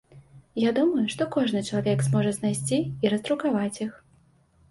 Я думаю, што кожны чалавек зможа знайсці і раздрукаваць іх.